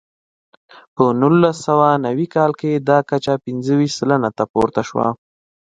په نولس سوه نوي کال کې دا کچه پنځه ویشت سلنې ته پورته شوه.